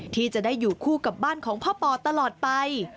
ที่จะได้อยู่คู่กับบ้านของพ่อปอตลอดไป